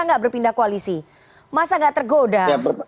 nggak berpindah koalisi masa nggak tergoda